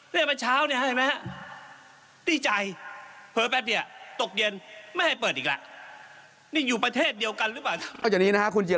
เรียกมาเช้าเนี่ยเห็นไหมฮะดีใจ